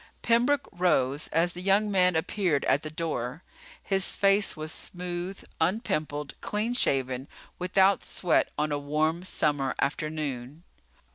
Pembroke rose as the young man appeared at the door. His face was smooth, unpimpled, clean shaven, without sweat on a warm summer afternoon.